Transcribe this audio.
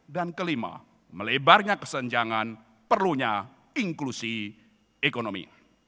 dan kelima melebarnya kesenjangan perlunya inklusi ekonomi